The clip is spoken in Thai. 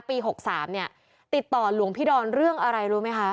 ปี๖๓เนี่ยติดต่อหลวงพี่ดอนเรื่องอะไรรู้ไหมคะ